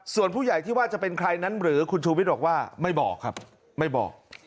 ส่วนผู้ใหญ่ที่ว่าจะเป็นใครนั้นหรือคุณชูวิทย์บอกว่าไม่บอกครับไม่บอก